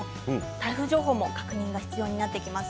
台風情報も確認が必要になってきます。